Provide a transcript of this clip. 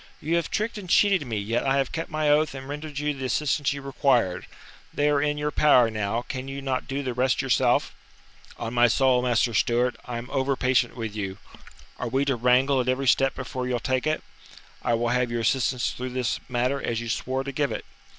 "You have tricked and cheated me, yet I have kept my oath and rendered you the assistance you required. They are in your power now, can you not do the rest yourself?" "On my soul, Master Stewart, I am over patient with you! Are we to wrangle at every step before you'll take it? I will have your assistance through this matter as you swore to give it.